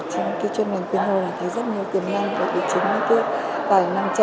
trong cái chuyên ngành quyên hội này thấy rất nhiều tiềm năng và được chứng những cái tài năng trẻ